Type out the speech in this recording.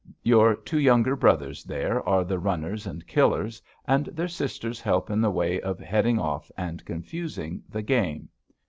Your two younger brothers there are the runners and killers, and their sisters help in the way of heading off and confusing the game.